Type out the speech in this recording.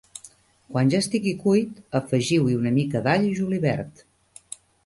Quan ja estigui cuit, afegiu-hi una mica d'all i julivert.